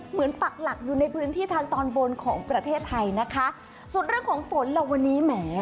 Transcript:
ปักหลักอยู่ในพื้นที่ทางตอนบนของประเทศไทยนะคะส่วนเรื่องของฝนล่ะวันนี้แหม